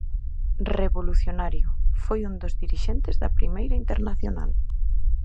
Revolucionario, foi un dos dirixentes da Primeira Internacional.